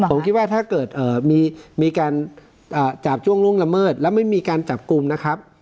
ผมคิดว่าถ้าเกิดมีการจาบจ้วงล่วงละเมิดแล้วไม่มีการจับกลุ่มนะครับ